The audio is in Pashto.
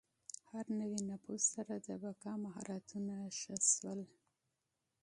هر نوي نفوذ سره د بقا مهارتونه ښه شول.